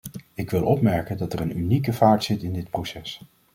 Ik wil opmerken dat er unieke vaart zit in dit proces.